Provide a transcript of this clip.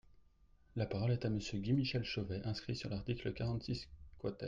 La parole est à Monsieur Guy-Michel Chauveau, inscrit sur l’article quarante-six quater.